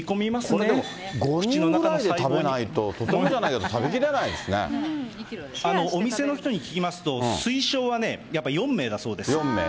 これ５人ぐらいで食べないと、とてもじゃないけど食べきれないお店の人に聞きますと、推奨はね、やっぱ４名だそうです。